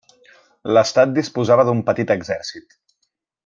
L'estat disposava d'un petit exèrcit.